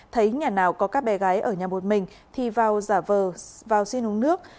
thấy nhà nào có các bé gái ở nhà một mình thì vào giả vờ vào xin uống nước